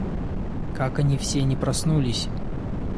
Как они все не проснулись!